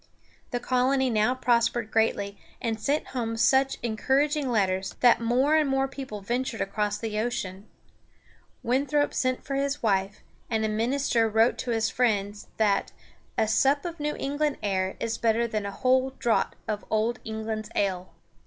The colony now prospered greatly, and sent home such encouraging letters that more and more people ventured across the ocean. Winthrop sent for his wife, and a minister wrote to his friends that "a sup of New England air is better than a whole draught of Old England's Ale."